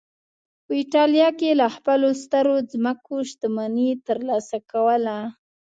په اېټالیا کې له خپلو سترو ځمکو شتمني ترلاسه کوله